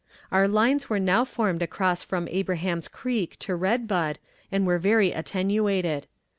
Our lines were now formed across from Abraham's Creek to Red Bud, and were very attenuated.